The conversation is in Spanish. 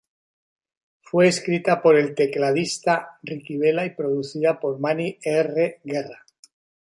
Fue escrita por el tecladista Ricky Vela y producida por Manny R. Guerra.